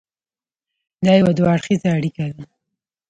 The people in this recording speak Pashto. دا یو دوه اړخیزه اړیکه ده.